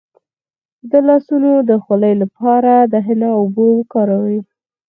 د لاسونو د خولې لپاره د حنا اوبه وکاروئ